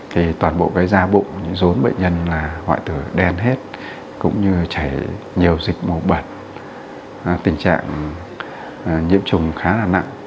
thì toàn bộ cái da bụng dốn bệnh nhân là hoại tử đen hết cũng như chảy nhiều dịch mụn bật tình trạng nhiễm trùng khá là nặng